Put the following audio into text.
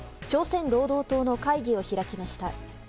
朝鮮労働党の会議を開きました。